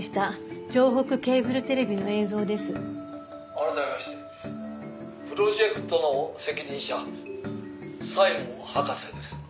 「改めましてプロジェクトの責任者柴門博士です」